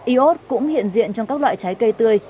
iốt cũng hiện diện trong các loại trái cây tươi